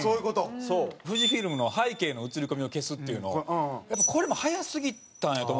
ＦＵＪＩＦＩＬＭの背景の写り込みを消すっていうのやっぱこれも早すぎたんやと思うんですよ。